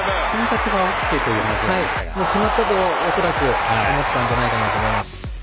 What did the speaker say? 恐らく決まったと思ったんじゃないかと思います。